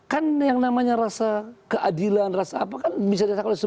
kan yang namanya rasa keadilan rasa apa kan misalnya terkait sebagian